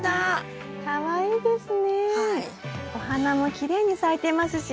お花もきれいに咲いてますし。